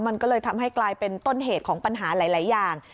มันก็เลยทำให้กลายเป็นต้นเหตุของปัญหาหลายอย่าง